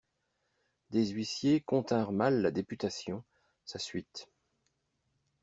Des huissiers continrent mal la députation, sa suite.